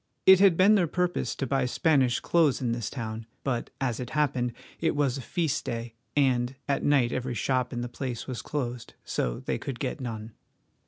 It had been their purpose to buy Spanish clothes in this town, but, as it happened, it was a feast day, and at night every shop in the place was closed, so they could get none.